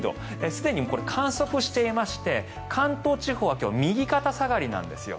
すでに観測していまして関東地方は今日、右肩下がりなんですよ。